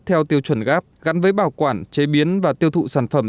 theo tiêu chuẩn gáp gắn với bảo quản chế biến và tiêu thụ sản phẩm